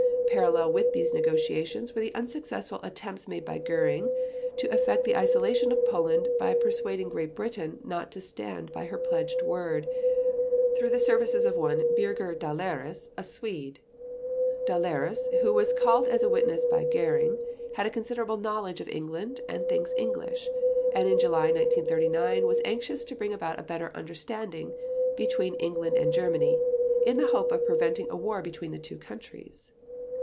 Parallel with these negotiations were the unsuccessful attempts made by Göring to effect the isolation of Poland by persuading Great Britain not to stand by her pledged word, through the services of one Birger Dahlerus, a Swede. Dahlerus, who was called as a witness by Göring, had a considerable knowledge of England and things English, and in July 1939 was anxious to bring about a better understanding between England and Germany, in the hope of preventing a war between the two countries.